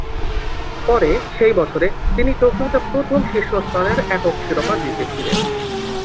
পরে, সেই বছরে, তিনি টোকিওতে প্রথম শীর্ষ স্তরের একক শিরোপা জিতেছিলেন।